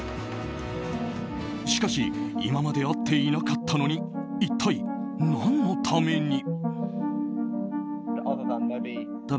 しかし、今まで会っていなかったのに一体何のために。